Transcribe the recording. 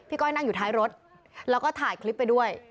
ก้อยนั่งอยู่ท้ายรถแล้วก็ถ่ายคลิปไปด้วย